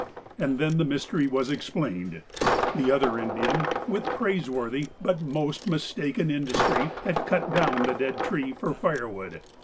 And then the mystery was explained; the other Indian, with praiseworthy but most mistaken industry, had cut down the dead tree for firewood.